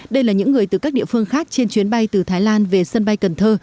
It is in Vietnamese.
đây là những người từ các địa phương khác trên chuyến bay từ thái lan về sân bay cần thơ